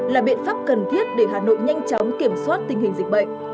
là biện pháp cần thiết để hà nội nhanh chóng kiểm soát tình hình dịch bệnh